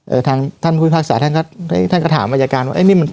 เอ่อทางท่านคุยภาคศาสตร์ท่านก็ท่านก็ถามอัยการว่าเอ๊ะนี่มัน